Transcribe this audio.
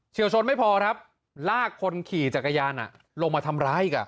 เฉี่ยวชนไม่พอครับลากคนขี่จักรยานอ่ะลงมาทำร้ายอีกอ่ะ